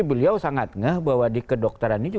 beliau sangat ngeh bahwa di kedokteran ini